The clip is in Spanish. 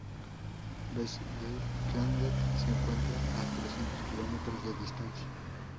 Vestlandet se encuentra a trescientos kilómetros de distancia.